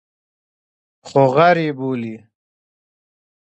خو غر یې بولي.